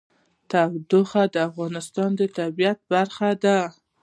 تودوخه د افغانستان د طبیعت برخه ده.